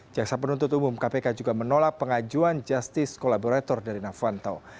jaksa penuntut umum kpk juga menolak pengajuan justice kolaborator dari novanto